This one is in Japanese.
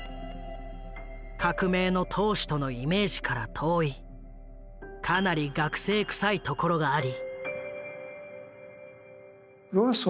「革命の闘士とのイメージから遠いかなり学生臭いところがあり」。